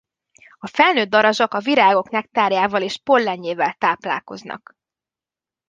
A felnőtt darazsak a virágok nektárjával és pollenjével táplálkoznak.